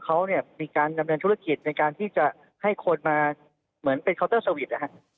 เขาเนี่ยมีการดำเนินธุรกิจในการที่จะให้คนมาเหมือนเป็นเคาน์เตอร์สวิตช์นะฮะ